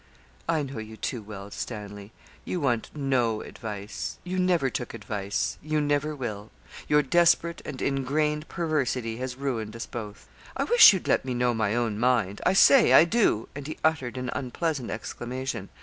'I know you too well, Stanley. You want no advice. You never took advice you never will. Your desperate and ingrained perversity has ruined us both.' 'I wish you'd let me know my own mind. I say I do (and he uttered an unpleasant exclamation).